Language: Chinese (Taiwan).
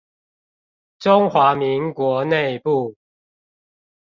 中華民國內部